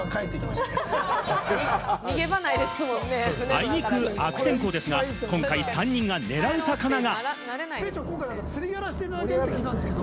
あいにく悪天候ですが、今回３人が狙う魚が。